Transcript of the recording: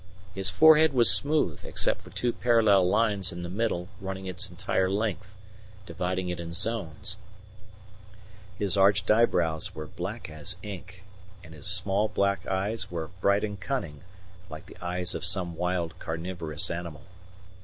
His forehead was smooth except for two parallel lines in the middle running its entire length, dividing it in zones; his arched eyebrows were black as ink, and his small black eyes were bright and cunning, like the eyes of some wild carnivorous animal.